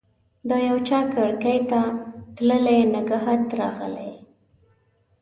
د یوچا کړکۍ ته تللي نګهت راغلی